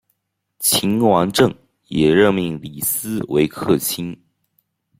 秦王政也任命李斯为客卿。